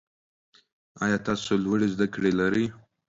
ایا تاسو لوړې زده کړې لرئ؟